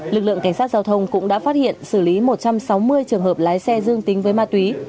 lực lượng cảnh sát giao thông cũng đã phát hiện xử lý một trăm sáu mươi trường hợp lái xe dương tính với ma túy